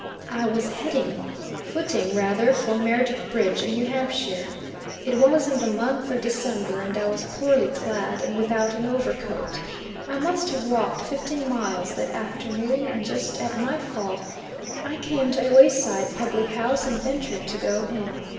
I was heading, footing rather, for Meredith Bridge in New Hampshire. It was in the month of December; and I was poorly clad and without an overcoat. I must have walked fifteen miles that afternoon, and just at nightfall I came to a wayside public house and ventured to go in.